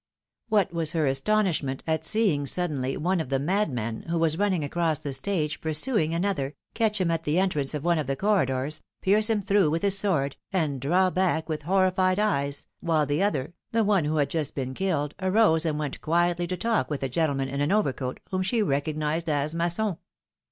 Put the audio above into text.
AVhat was her astonishment at seeing suddenly one of the madmen, who was running across the stage pursuing another, catch him at the entrance of one of the corridors, pierce him through with his sword, and draw back with horrified eyes, while the other, the one who had just been killed, arose and vent quietly to talk with a gentleman in an overcoat, whom she recognized as Masson